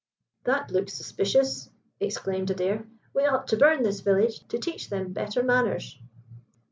"That looks suspicious," exclaimed Adair. "We ought to burn this village to teach them better manners."